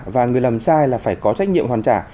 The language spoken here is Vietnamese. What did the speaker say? và người làm sai là phải có trách nhiệm hoàn trả